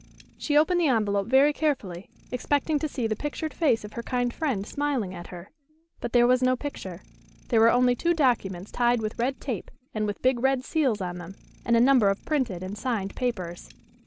She opened the envelope very carefully, expecting to see the pictured face of her kind friend smiling at her, But there was no picture. There were only two documents tied with red tape, and with big red seals on them, and a number of printed and signed papers.